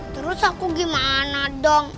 terus aku gimana dong